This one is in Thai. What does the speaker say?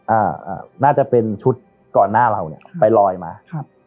อ่าอ่าน่าจะเป็นชุดก่อนหน้าเราเนี้ยไปลอยมาครับ